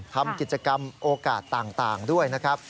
ทำกิจกรรมโอกาสต่างด้วยนะครับ